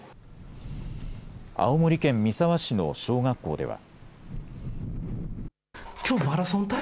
青森県三沢市の小学校では。